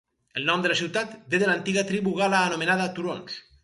El nom de la ciutat ve de l'antiga tribu gal·la anomenada turons.